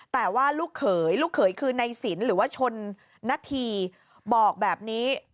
แต่ว่าลูกเขยลูกเขยคือในสินหรือว่าชนนาธีบอกแบบนี้